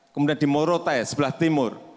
kemudian di morotai sebelah timur